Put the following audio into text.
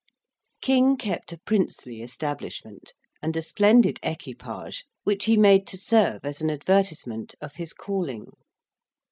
King kept a princely establishment, and a splendid equipage which he made to serve as an advertisement of his calling.